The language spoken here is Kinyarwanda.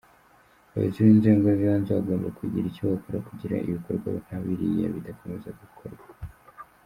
Abayobozi b’inzego zibanze bagomba kugira icyo bakora kugirango ibikorwa nka biriya bidakomeza gukorwa .